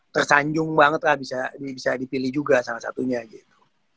tersanjung banget lah bisa dipilih juga salah satunya gitu